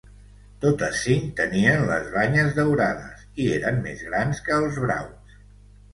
Totes cinc tenien les banyes daurades i eren més grans que els braus.